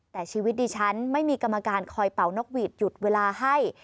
แต่ชีวิตดิฉันไม่มีกรรมการคอยเป่านกหวีดหยุดเวลาให้